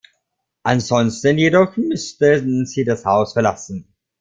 Ansonsten jedoch müssten sie das Haus verlassen.